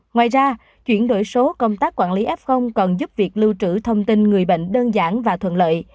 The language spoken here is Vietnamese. ngoài ra chuyển đổi số công tác quản lý f còn giúp việc lưu trữ thông tin người bệnh đơn giản và thuận lợi